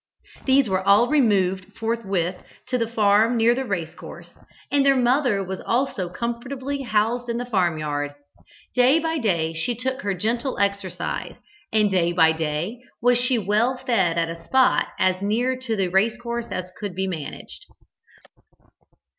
These were all removed forthwith to the farm near the racecourse, and their mother was also comfortably housed in the farmyard. Day by day she took her gentle exercise, and day by day was she well fed at a spot as near to the racecourse as could be managed.